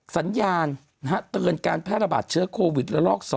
สัญญาณเตือนการแพร่ระบาดเชื้อโควิดละลอก๒